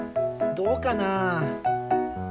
どうかな？